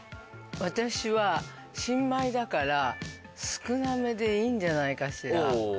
私は新米だから少なめでいいんじゃないかしら。